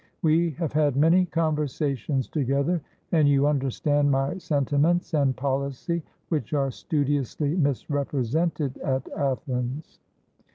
We have had many conversations together, and you understand my senti ments and policy, which are studiously misrepresented at Athens."